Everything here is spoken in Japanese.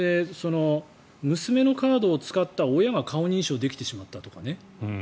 娘のカードを使った親が顔認証できてしまったとかね。